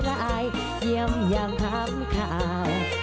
เยี่ยมอย่างคำข่าว